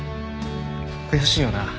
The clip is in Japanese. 悔しいよな？